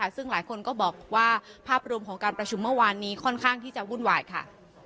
ซึ่งหลายคนก็บอกว่าภาพรวมของการประชุมเมื่อวานนี้ค่อนข้างที่จะวุ่นวายค่ะ